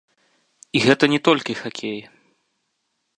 І гэта не толькі хакей.